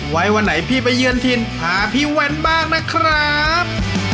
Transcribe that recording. วันไหนพี่ไปเยือนถิ่นพาพี่แว่นบ้างนะครับ